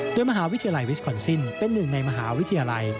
โดยมหาวิทยาลัยวิสคอนซินเป็นหนึ่งในมหาวิทยาลัย